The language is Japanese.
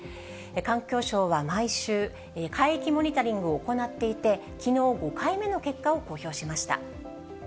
環境省は毎週、海域モニタリングを行っていて、きのう、５回目の結果を公表しました。